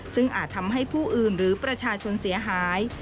ซึ่งอาจทำให้ผู้อื่นหรือประชาชนเสียหาย